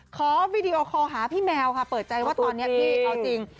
วีดีโอคอลหาพี่แมวค่ะเปิดใจว่าตอนนี้พี่เอาจริง